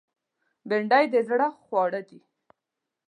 بېنډۍ د زړه خواړه دي